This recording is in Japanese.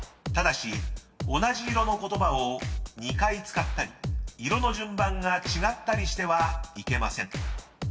［ただし同じ色の言葉を２回使ったり色の順番が違ったりしてはいけません］